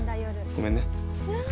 ごめんね。